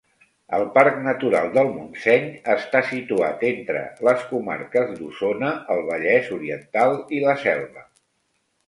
El Parc Natural del Montseny està situat entre les Comarques d'Osona, el Vallès Oriental i la Selva.